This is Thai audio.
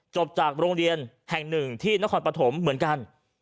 จบจากโรงเรียนแห่งหนึ่งที่นครปฐมเหมือนกัน